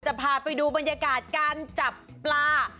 จะพาไปดูบรรยากาศการจับปลา